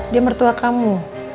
dia mertua kamu